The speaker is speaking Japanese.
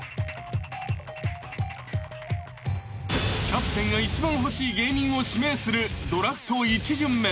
［キャプテンが一番欲しい芸人を指名するドラフト１巡目］